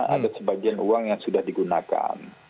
ada sebagian uang yang sudah digunakan